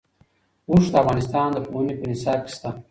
اوښ د افغانستان د پوهنې په نصاب کې شته.